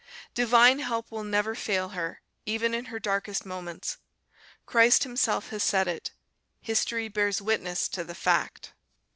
Divine help will never fail her, even in her darkest moments. Christ Himself has said it, history bears witness to the fact."